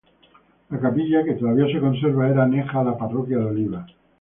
La capilla, que todavía se conserva, era aneja a la parroquia de Oliva.